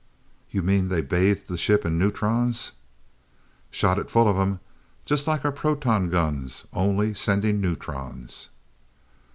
"You mean they bathed that ship in neutrons?" "Shot it full of 'em. Just like our proton guns, only sending neutrons."